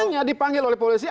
ditanya dipanggil oleh polisi